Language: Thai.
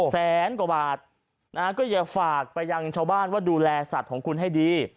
แสนกว่าบาทนะฮะก็อย่าฝากไปยังชาวบ้านว่าดูแลสัตว์ของคุณให้ดี